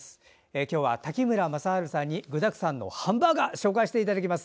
今日は滝村雅晴さんに具だくさんのハンバーガーを紹介していただきます。